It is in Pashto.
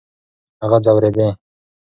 هغه ځورېدی .